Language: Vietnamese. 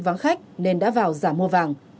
vắng khách nên đã vào giảm mua vàng